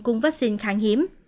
cùng vaccine kháng hiếm